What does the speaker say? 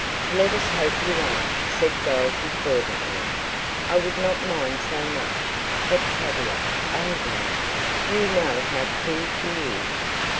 "Let us hope you are," said Dorothy fervently. "I would not mind so much but Tavia Oh well, you know how queer she is."